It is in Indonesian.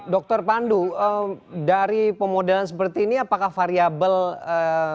dr pandu dari pemodelan seperti ini apakah variable